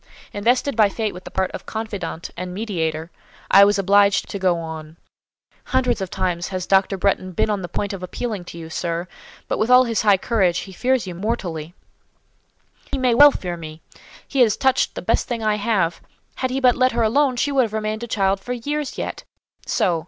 Invested by fate with the part of confidante and mediator, I was obliged to go on: "Hundreds of times has Dr. Bretton been on the point of appealing to you, sir; but, with all his high courage, he fears you mortally." "He may well—he may well fear me. He has touched the best thing I have. Had he but let her alone, she would have remained a child for years yet. So.